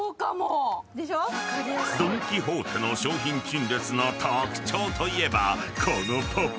［ドン・キホーテの商品陳列の特徴といえばこの］